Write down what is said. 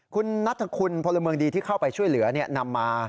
คุณนัทคุณพลเมืองดีที่เข้าไปช่วยเหลือนำมา